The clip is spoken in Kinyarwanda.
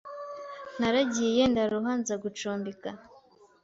Naragiye ndaruha nza gucumbika